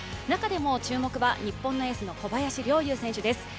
中でも注目は日本のエースの小林陵侑選手です。